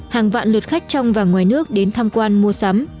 hàng vạn lượt khách trong và ngoài nước đến tham quan mua sắm